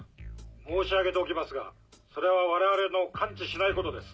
申し上げておきますがそれは我々の関知しないことです。